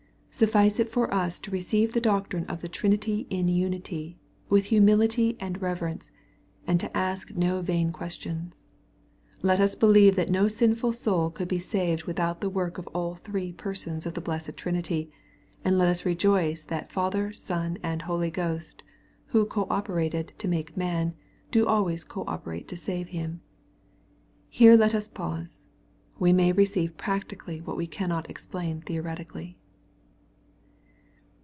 Suffice it for us to receive the doctrine of the Trinity in Unity, with humility and reverence, and to ask no vain questions. Let us believe that no sinful soul could be saved without the work of all three Persons in the blessed Trinity, and let us rejoice that Father, Son, and Holy Ghost, who co operated to make man, do always co operate to save him. Here let us pause. We may receive practically what we cannot ex plain theoretically.